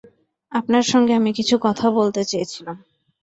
আপনার সঙ্গে আমি কিছু কথা বলতে চেয়েছিলাম।